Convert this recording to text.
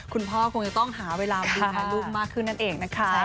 คุณพ่อคงจะต้องหาเวลาดูแลลูกมากขึ้นนั่นเองนะคะ